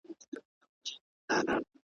لار به وي ورکه له کاروانیانو ,